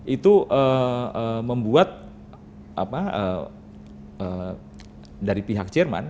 itu membuat dari pihak jerman